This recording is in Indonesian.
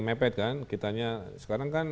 mepet kan sekarang kan